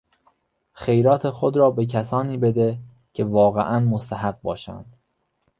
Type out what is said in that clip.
خیرات خود را به کسانی بده که واقعا مستحق باشند.